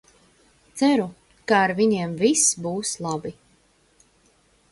Ceru, ka ar viņiem viss būs labi.